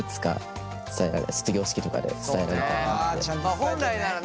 本来ならね